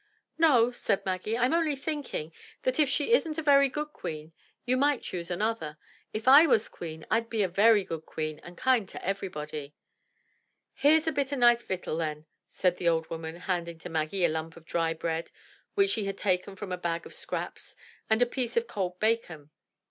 "No," said Maggie, "I'm only thinking that if she isn't a very good queen, you might choose another. If I was a queen, I'd be a very good queen and kind to everybody." " Here's a bit o' nice victual, then" said the old woman, handing to Maggie a lump of dry bread, which she had taken from a bag of scraps, and a piece of cold bacon.